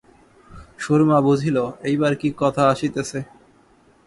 সুরমা বুঝিল, এইবার কী কথা আসিতেছে।